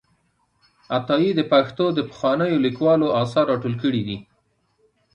عطایي د پښتو د پخوانیو لیکوالو آثار راټول کړي دي.